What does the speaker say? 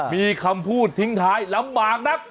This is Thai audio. มีคำพูดทิ้งท้ายลำบากนัก